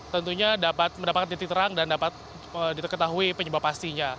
tentunya dapat mendapatkan titik terang dan dapat diketahui penyebab pastinya